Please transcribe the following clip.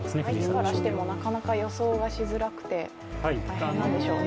相手からしてもなかなか予想しづらくて大変なんでしょうね。